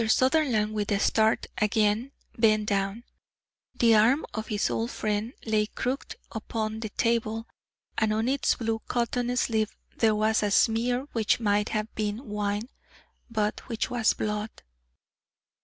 Mr. Sutherland, with a start, again bent down. The arm of his old friend lay crooked upon the table, and on its blue cotton sleeve there was a smear which might have been wine, but which was blood.